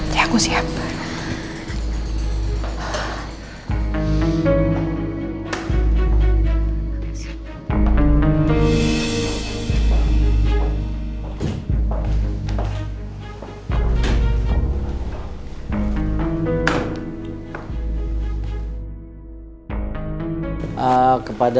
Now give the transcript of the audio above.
ya aku siap